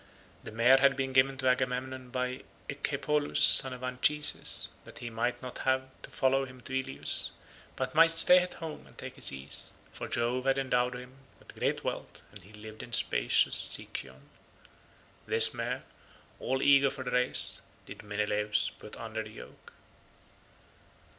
The mare had been given to Agamemnon by Echepolus son of Anchises, that he might not have to follow him to Ilius, but might stay at home and take his ease; for Jove had endowed him with great wealth and he lived in spacious Sicyon. This mare, all eager for the race, did Menelaus put under the yoke.